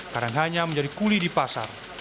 kadang hanya menjadi kuli di pasar